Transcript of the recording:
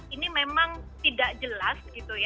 ini memang tidak jelas